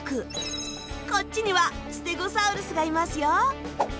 こっちにはステゴサウルスがいますよ。